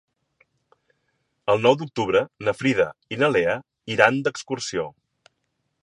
El nou d'octubre na Frida i na Lea iran d'excursió.